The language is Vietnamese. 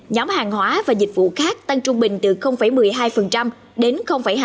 nhóm hàng hóa và dịch vụ khác tăng trung bình từ một mươi hai đến hai mươi